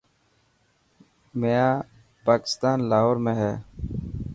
مينار پاڪستان لاهور ۾ هي.